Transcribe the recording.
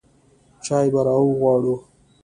چاى به راغواړم.